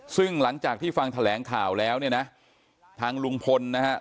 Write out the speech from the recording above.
ซึ่งหลังจากที่ฟังแถลงข่าวแล้วเนี่ยนะทางลุงพลนะฮะ